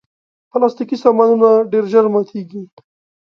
پلاستيکي سامانونه ډېر ژر ماتیږي.